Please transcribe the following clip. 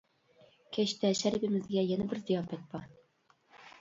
كەچتە شەرىپىمىزگە يەنە بىر زىياپەت بار.